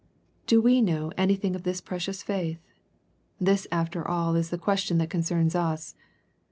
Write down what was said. '' Do we know anything of this precious faith ? This, after all, is the question that concerns us.